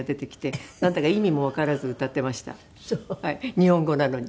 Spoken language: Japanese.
日本語なのに。